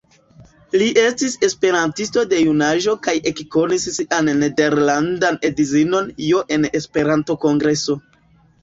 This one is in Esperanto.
Li estis esperantisto de junaĝo kaj ekkonis sian nederlandan edzinon Jo en Esperanto-kongreso.